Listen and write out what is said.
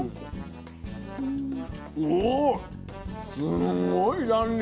すんごい弾力。